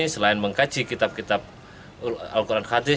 selain mengkaji kitab kitab al quran khadis